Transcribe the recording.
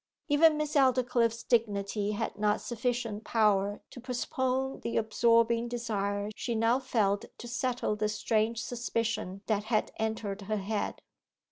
Even Miss Aldclyffe's dignity had not sufficient power to postpone the absorbing desire she now felt to settle the strange suspicion that had entered her head.